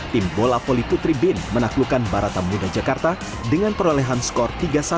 tim bola voli putri bin menaklukkan barata muda jakarta dengan perolehan skor tiga satu